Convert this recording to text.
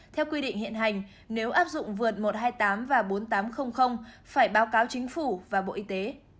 theo quy định hiện hành nếu áp dụng vượt một trăm hai mươi tám và bốn nghìn tám trăm linh phải báo cáo chính phủ và bộ y tế